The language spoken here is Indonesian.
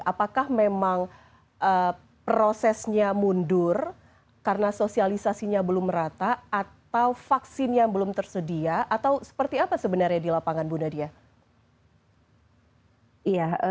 apakah memang prosesnya mundur karena sosialisasinya belum merata atau vaksin yang belum tersedia atau seperti apa sebenarnya di lapangan bu nadia